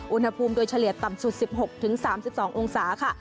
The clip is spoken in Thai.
อุณหภูมิโดยเฉลี่ยต่ำสุด๑๖๓๒องศาค่ะ